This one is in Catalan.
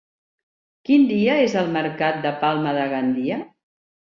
Quin dia és el mercat de Palma de Gandia?